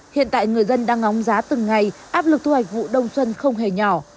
hiện tại người dân đang ngóng giá từng ngày áp lực thu hoạch vụ đông xuân không hề nhỏ